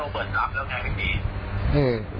อืมเพราะว่าตอนนี้โลเบิร์ตสร้างเรือไงพี่